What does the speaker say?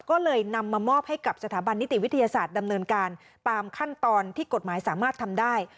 ก็เลยนำมามอบให้กับสถาบันนิติวิทยาศาสตร์ดำเนินการตามขั้นตอนที่กฎหมายสามารถทำได้